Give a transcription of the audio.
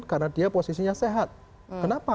karena dia posisinya sehat kenapa